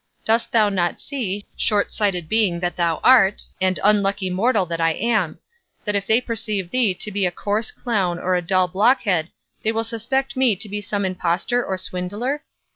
Dost thou not see shortsighted being that thou art, and unlucky mortal that I am! that if they perceive thee to be a coarse clown or a dull blockhead, they will suspect me to be some impostor or swindler?